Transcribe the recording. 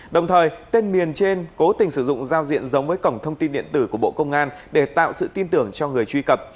đồng thời tên miền trên cố tình sử dụng giao diện giống với cổng thông tin điện tử của bộ công an để tạo sự tin tưởng cho người truy cập